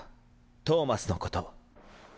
トーマスのこと。